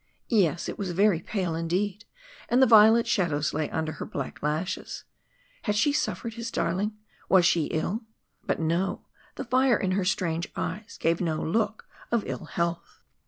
Yes, it was very pale indeed, and the violet shadows lay under her black lashes. Had she suffered, his darling was she ill? But no, the fire in her strange eyes gave no look of ill health.